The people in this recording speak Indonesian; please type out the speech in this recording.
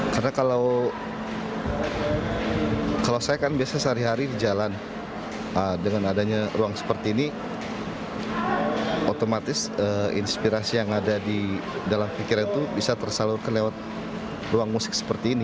karena kalau saya kan biasanya sehari hari jalan dengan adanya ruang seperti ini otomatis inspirasi yang ada di dalam pikiran itu bisa tersalurkan lewat ruang musik seperti ini